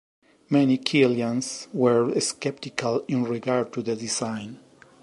Many Kielians were skeptical in regard to the design.